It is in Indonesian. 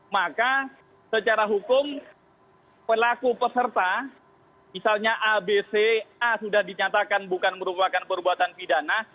maka secara hukum pelaku peserta misalnya abca sudah dinyatakan bukan merupakan perbuatan pidana